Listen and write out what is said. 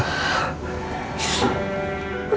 kau ngapain disini